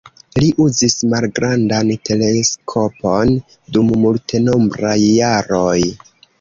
Li uzis malgrandan teleskopon dum multenombraj jaroj.